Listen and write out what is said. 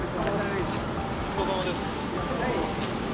お疲れさまです。